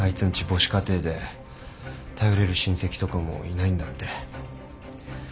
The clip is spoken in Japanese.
母子家庭で頼れる親戚とかもいないんだって。